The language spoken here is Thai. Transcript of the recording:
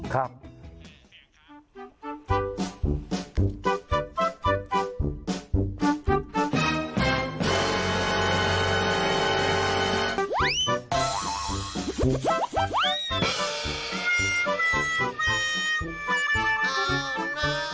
ครับ